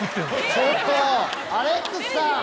ちょっとアレックスさん！